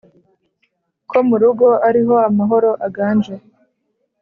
ko *mu rugo ariho amahoro aganje*.